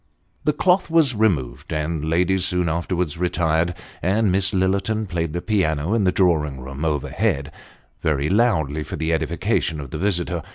The cloth was removed ; the ladies soon afterwards retired, and Miss Lillerton played the piano in the drawing room overhead, very loudly, for the edification of the visitor.